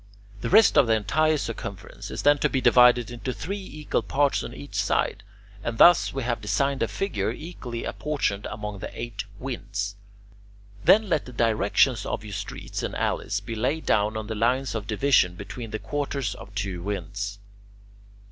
The rest of the entire circumference is then to be divided into three equal parts on each side, and thus we have designed a figure equally apportioned among the eight winds. Then let the directions of your streets and alleys be laid down on the lines of division between the quarters of two winds.